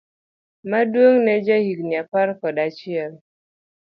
Maduong' ne en ja higni apar kod achiel.